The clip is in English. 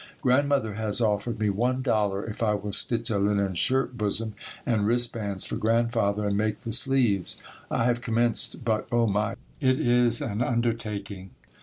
Grandmother has offered me one dollar if I will stitch a linen shirt bosom and wrist bands for Grandfather and make the sleeves. I have commenced but, Oh my! it is an undertaking.